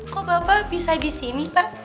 kok bapak bisa disini pak